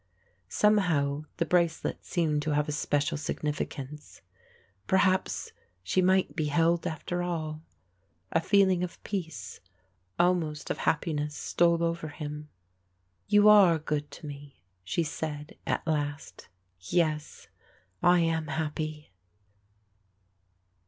Somehow the bracelet seemed to have a special significance: perhaps she might be held after all. A feeling of peace, almost of happiness, stole over him. "You are good to me," she said at last. "Yes, I am happy."